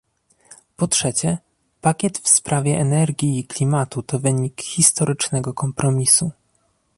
Po trzecie, pakiet w sprawie energii i klimatu to wynik historycznego kompromisu